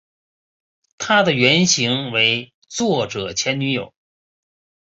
她的原型为作者前女友。